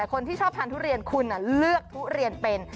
หลายคนที่ชอบทานทุเรียนคุณเลือกเป็นทุเรียน